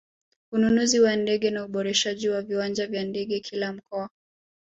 Ununuzi wa ndege na uboreshaji wa viwanja vya ndege kila mkoa